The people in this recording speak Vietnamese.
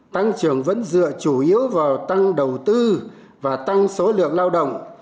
tăng trưởng vẫn dựa chủ yếu vào tăng đầu tư và tăng số lượng lao động